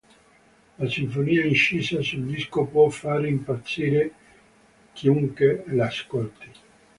La sinfonia incisa sul disco può far impazzire chiunque la ascolti.